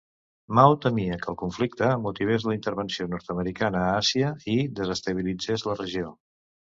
Mao temia que el conflicte motivés la intervenció nord-americana a Àsia i desestabilitzés la regió.